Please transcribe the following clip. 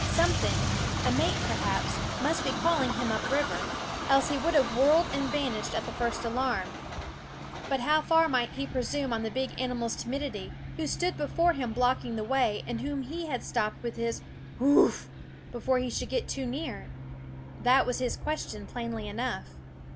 Something, a mate perhaps, must be calling him up river ; else he would have whirled and vanished at the first alarm. But how far might he presume 157 YouMeef sTBear 158 TtJhen You Meef SCHOOL OF on the big animal's timidity, who stood before him blocking the way, and whom he ''Beo'r had stopped with his Hoowuff ! before he should get too near? That was his ques tion, plainly enough.